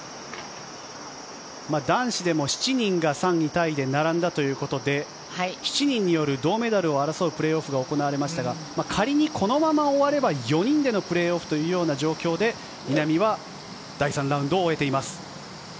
男子でも７人が３位タイで並んだということで７人による銅メダルを争うプレーオフが行われましたが仮にこのまま終われば４人でのプレーオフというような状況で稲見は第３ラウンドを終えています。